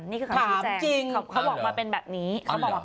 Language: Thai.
นี่คือการคุณแจ้งเขาบอกมาเป็นแบบนี้ว่าอย่างจริง